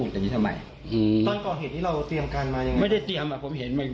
ก็ตั้งใจจะเอาขี้ลักไปราดมัน